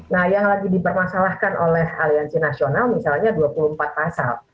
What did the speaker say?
nah yang lagi dipermasalahkan oleh aliansi nasional misalnya dua puluh empat pasal